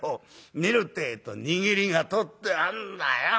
見るってえと握りが取ってあんだよ。